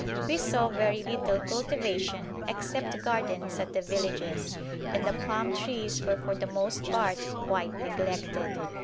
We saw very little cultivation except gardens at the villages, and the palm trees were for the most part quite neglected.